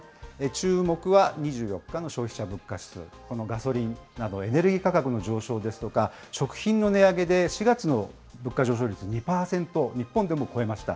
注目は、２４日の消費者物価指数、このガソリンなどエネルギー価格の上昇ですとか、食品の値上げで４月の物価上昇率２％、日本でも超えました。